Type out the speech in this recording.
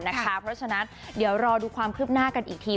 เพราะฉะนั้นเดี๋ยวรอดูความคืบหน้ากันอีกที